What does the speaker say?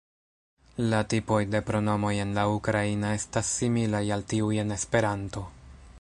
La tipoj de pronomoj en la ukraina estas similaj al tiuj en esperanto.